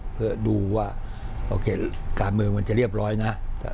เพื่อดูว่าโอเคการเมืองมันจะเรียบร้อยนะ